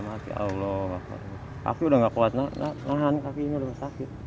kaki sudah tidak kuat nahan kaki ini sudah sakit